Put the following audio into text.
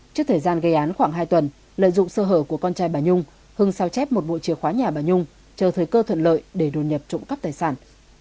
trước thời gian gây án khoảng hai tuần lợi dụng sơ hở của con trai bà nhung hưng sao chép một bộ chìa khóa nhà bà nhung chờ thời cơ thuận lợi để đồn nhập trộm cắp tài sản